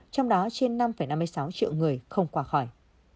trong đó trên năm năm mươi sáu triệu người không qua khỏi